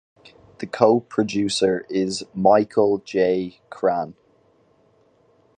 The Co-Producer is "Michael J. Krahn".